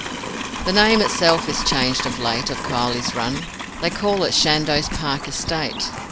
The name itself is changed of late Of Kiley's Run. They call it 'Chandos Park Estate'.